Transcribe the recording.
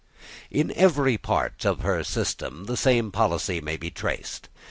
In every part of her system the same policy may be traced.